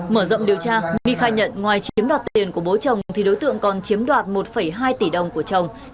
mở rộng điều tra my khai nhận ngoài chiếm đoạt tiền của bố chồng thì đối tượng còn chiếm đoạt một hai tỷ đồng của chồng